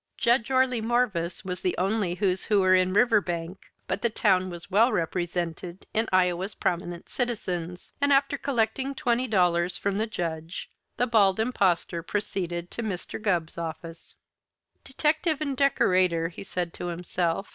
Judge Orley Morvis was the only Who's Whoer in Riverbank, but the town was well represented in "Iowa's Prominent Citizens," and after collecting twenty dollars from the Judge the Bald Impostor proceeded to Mr. Gubb's office. "Detective and decorator," he said to himself.